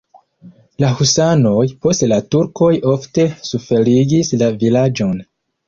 La husanoj, poste la turkoj ofte suferigis la vilaĝon.